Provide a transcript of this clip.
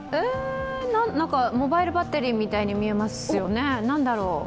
モバイルバッテリーみたいに見えますよね、何だろう。